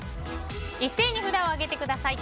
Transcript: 一斉に札を上げてください